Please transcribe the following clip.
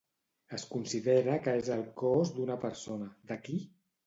Es considera que és el cos d'una persona, de qui?